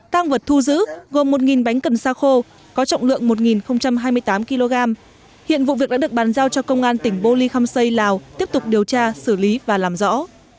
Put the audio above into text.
tăng vật thu giữ gồm một bánh cần sa khô có trọng lượng một hai mươi tám kg hiện vụ việc đã được bàn giao cho công an tỉnh bô ly khâm xây lào tiếp tục điều tra xử lý và làm rõ